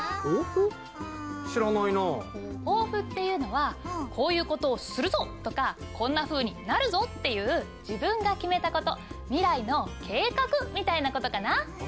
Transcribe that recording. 抱負っていうのはこういうことをするぞ！とかこんなふうになるぞ！っていう自分が決めたこと未来の計画みたいなことかな。